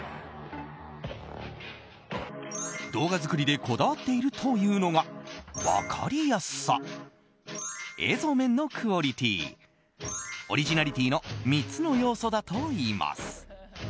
動画作りでこだわっているというのが分かりやすさ映像面のクオリティーオリジナリティーの３つの要素だといいます。